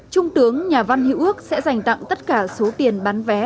trung tướng nhà văn hữu ước sẽ dành tặng tất cả số tiền bán vé